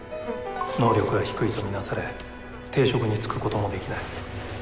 能力が低いと見なされ定職に就くこともできない。